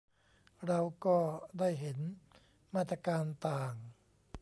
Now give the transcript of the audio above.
เราก็ได้เห็นมาตรการต่าง